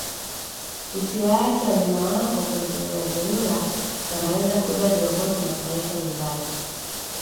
Usiwaache wanyama wako kuzururazurura wanaweza kubeba viroboto na kuwaleta nyumbani